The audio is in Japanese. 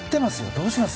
どうします？